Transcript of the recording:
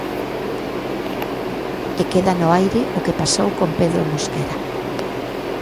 E queda no aire o que pasou con Pedro Mosquera.